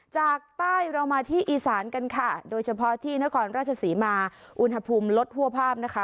จากใต้เรามาที่อีสานกันค่ะโดยเฉพาะที่นครราชศรีมาอุณหภูมิลดหัวภาพนะคะ